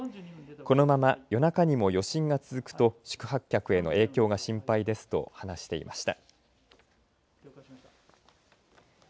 このまま、夜中にも余震が続くと宿泊客の影響が心配ですと話していました。